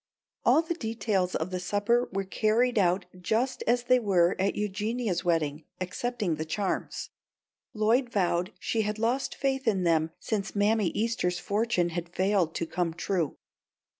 All the details of the supper were carried out just as they were at Eugenia's wedding, excepting the charms. Lloyd vowed she had lost faith in them since Mammy Easter's fortune had failed to come true.